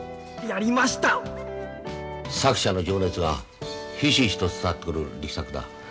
やりました作者の情熱がヒシヒシと伝わってくる力作だ。